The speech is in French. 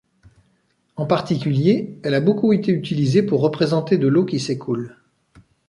En particulier, elle a beaucoup été utilisée pour représenter de l'eau qui s'écoule.